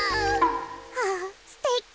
あぁすてき！